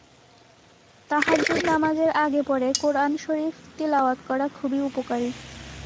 তাহাজ্জুদ নামাজের আগে পরে কোরআন শরিফ তিলাওয়াত করা খুবই উপকারী।